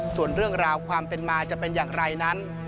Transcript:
ส่วนเรื่องราวความเป็นมาจะเป็นอย่างไรนั้น